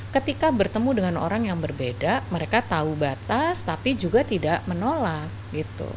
ketika bertemu dengan orang yang berbeda mereka tahu batas tapi juga tidak menolak gitu